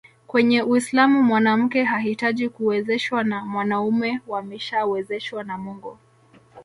Kwenye Uislamu mwanamke hahitaji kuwezeshwa na mwanaume wameshawezeshwa na Mungu